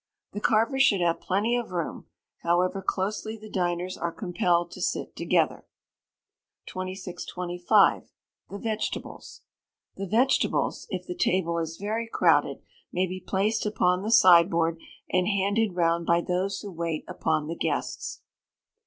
The carver should have plenty of room, however closely the diners are compelled to sit together. 2625. The Vegetables. The vegetables, if the table is very crowded, may be placed upon the sideboard, and handed round by those who wait upon the guests.